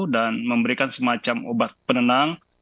dan memberikan semacam obat penenang